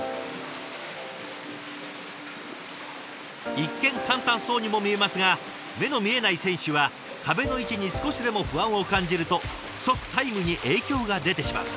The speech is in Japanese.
一見簡単そうにも見えますが目の見えない選手は壁の位置に少しでも不安を感じると即タイムに影響が出てしまう。